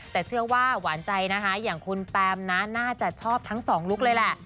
แต่เชื่อว่าหวานใจนะคะอย่างคุณแปมนะน่าจะชอบทั้งสองลุคเลยแหละ